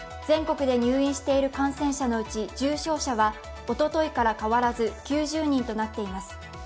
全国で入院している感染者のうち重症者はおとといから変わらず、９０人となっています。